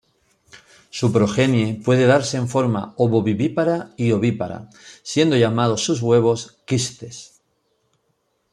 Su progenie puede darse en forma ovovivípara y ovípara, siendo llamados sus huevos quistes.